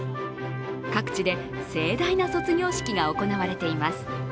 各地で盛大な卒業式が行われています。